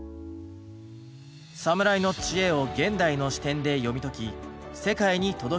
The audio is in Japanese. サムライの知恵を現代の視点で読み解き世界に届ける番組。